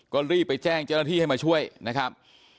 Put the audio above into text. ก็รีบไปแจ้งเจ้าหน้าที่ให้มาช่วยนะครับ